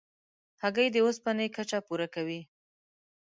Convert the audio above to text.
هګۍ د اوسپنې کچه پوره کوي.